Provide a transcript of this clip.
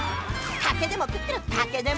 竹でも食ってろ竹でも！